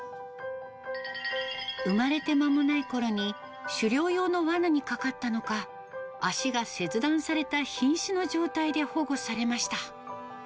生まれて間もないころに狩猟用のわなにかかったのか、脚が切断された瀕死の状態で保護されました。